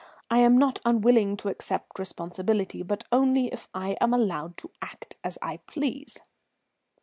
I am not unwilling to accept responsibility, but only if I am allowed to act as I please."